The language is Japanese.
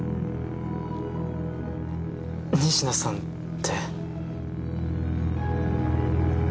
仁科さんって。